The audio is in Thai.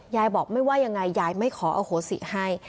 ยายบอกไม่ว่ายังไงยายไม่ขออโหสิให้